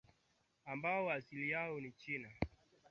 ambao asili yake ni nchini afrika